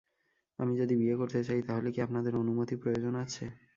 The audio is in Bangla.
আমি যদি বিয়ে করতে চাই তাহলে কি আপনাদের অনুমতি প্রয়োজন আছে?